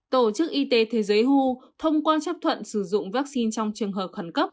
tổ chức y tế thế giới who thông quan chấp thuận sử dụng vaccine trong trường hợp khẩn cấp